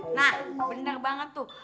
nah bener banget tuh